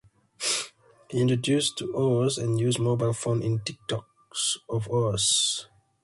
He introduces to Oz the use of mobile phones in Tik-Tok of Oz.